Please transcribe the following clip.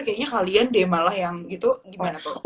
kayaknya kalian deh malah yang gitu gimana tuh